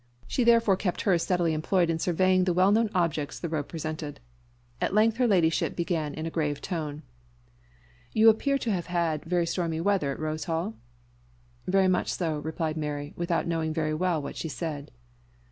She therefore kept hers steadily employed in surveying the well known objects the road presented. At length her Ladyship began in a grave tone. "You appear to have had very stormy weather at Rose Hall?" "Very much so," replied Mary, without knowing very well what she said.